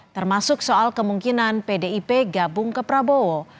termasuk soal kemungkinan pdip gabung ke prabowo